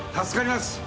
助かります。